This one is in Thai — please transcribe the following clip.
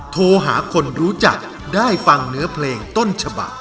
โทรหาคนรู้จักได้ฟังเนื้อเพลงต้นฉบัก